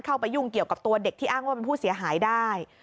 ยุ่งเกี่ยวกับตัวเด็กที่อ้างว่าเป็นผู้เสียหายได้